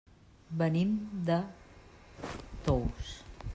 Venim de Tous.